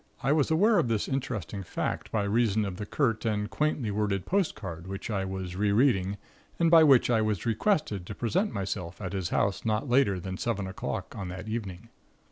I was aware of this interesting fact by reason of the curt and quaintly worded postcard which I was rereading, and by which I was requested to present myself at his house not later than seven o'clock on that evening.